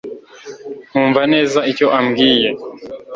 nkumva neza icyo ambwiye